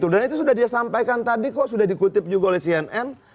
dan itu sudah disampaikan tadi kok sudah dikutip juga oleh cnn